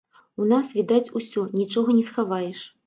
У нас відаць усё, нічога не схаваеш.